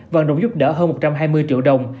và rủng giúp đỡ hơn một trăm hai mươi triệu đồng